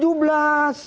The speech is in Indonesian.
jadi abang ngerti di sini